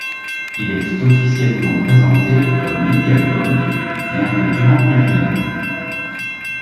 Il est officiellement présenté comme un mini-album, bien que durant plus d'une heure.